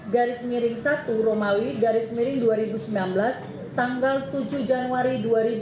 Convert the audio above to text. garis miring satu romawi garis miring dua ribu sembilan belas tanggal tujuh januari dua ribu dua puluh